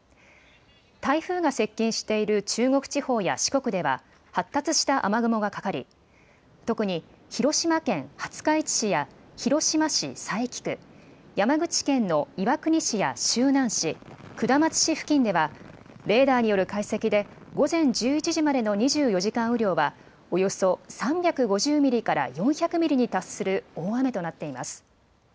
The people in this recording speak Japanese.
台風が接近している中国地方や四国では発達した雨雲がかかり、特に広島県廿日市市や広島市佐伯区、山口県の岩国市や周南市、下松市付近ではレーダーによる解析で午前１１時までの２４時間雨量はおよそ３５０ミリから４００ミリに達する大雨となっています。